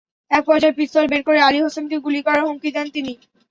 একপর্যায়ে পিস্তল বের করে আলী হোসেনকে গুলি করার হুমকি দেন তিনি।